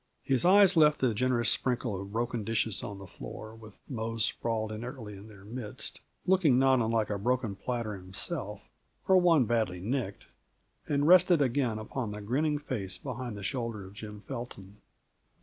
His eyes left the generous sprinkle of broken dishes on the floor, with Mose sprawled inertly in their midst, looking not unlike a broken platter himself or one badly nicked and rested again upon the grinning face behind the shoulder of Jim Felton.